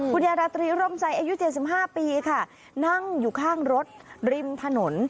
ยาราตรีร่มใจอายุ๗๕ปีค่ะนั่งอยู่ข้างรถริมถนน